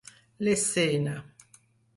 L'escena: